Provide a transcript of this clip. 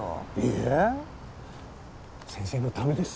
いえ先生のためです。